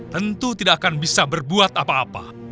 tentu tidak akan bisa berbuat apa apa